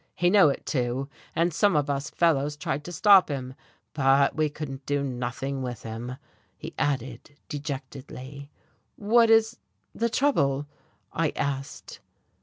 "He knew it, too, and some of us fellows tried to stop him. But we couldn't do nothing with him," he added dejectedly. "What is the trouble?" I asked.